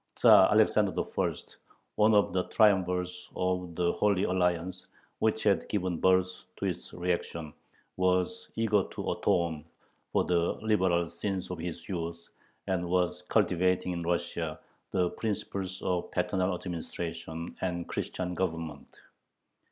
Tzar Alexander I., one of the triumvirs of the Holy Alliance, which had given birth to this reaction, was eager to atone for the liberal "sins" of his youth, and was cultivating in Russia the principles of "paternal administration" and "Christian government."